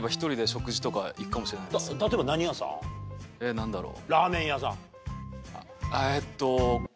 何だろう？